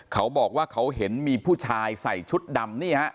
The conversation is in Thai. เขาบอกว่าเขาเห็นมีผู้ชายใส่ชุดดำนี่ฮะ